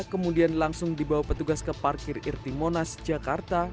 kemudian langsung dibawa petugas ke parkir irti monas jakarta